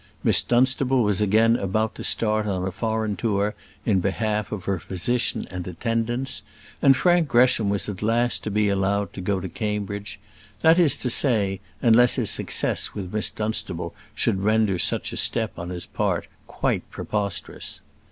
Miss Dunstable was again about to start on a foreign tour in behalf of her physician and attendants; and Frank Gresham was at last to be allowed to go to Cambridge; that is to say, unless his success with Miss Dunstable should render such a step on his part quite preposterous.